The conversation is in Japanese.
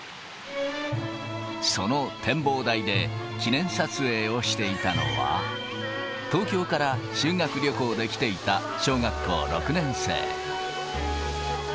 その展望台で記念撮影をしていたのは、東京から修学旅行で来ていた小学校６年生。